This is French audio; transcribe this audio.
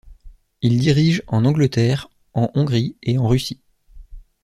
Il dirige en Angleterre, en Hongrie et en Russie.